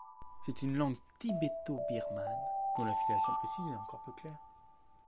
C'est une langue tibéto-birmane dont l'affiliation précise est encore peu claire.